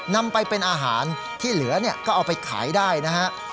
นำไปเป็นอาหารที่เหลือเนี่ยก็เอาไปขายได้นะฮะ